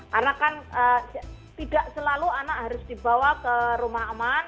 karena kan tidak selalu anak harus dibawa ke rumah aman